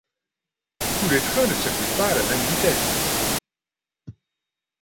Tous les trains ne circulent pas à la même vitesse.